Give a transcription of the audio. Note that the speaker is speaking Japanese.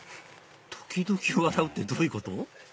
時々笑うってどういうこと？